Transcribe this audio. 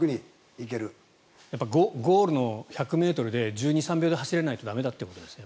ゴールの１００ｍで１２３秒で走れないと駄目ということですね。